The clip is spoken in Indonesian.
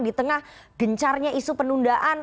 di tengah gencarnya isu penundaan